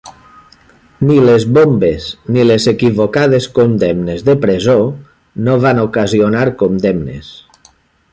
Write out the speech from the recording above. Ni les bombes ni les equivocades condemnes de presó no van ocasionar condemnes.